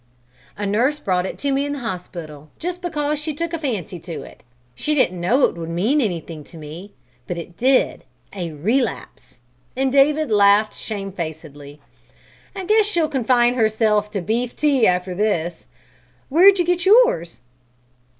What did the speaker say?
"A nurse brought it to me in the hospital just because she took a fancy to it. She didn't know it would mean anything to me, but it did a relapse!" And David laughed shamedfacedly. "I guess she'll confine herself to beef tea after this! Where'd you get yours?"